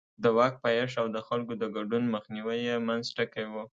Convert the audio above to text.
د واک پایښت او د خلکو د ګډون مخنیوی یې منځ ټکی و.